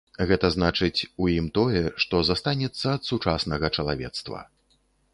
Гэта значыць, у ім тое, што застанецца ад сучаснага чалавецтва.